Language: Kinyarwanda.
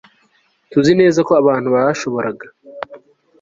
tuzi neza ko abantu bashoboraga